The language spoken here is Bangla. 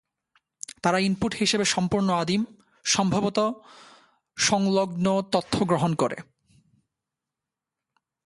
তারা ইনপুট হিসাবে সম্পূর্ণ আদিম, সম্ভবত সংলগ্ন তথ্য গ্রহণ করে।